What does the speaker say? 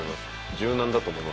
柔軟だと思います？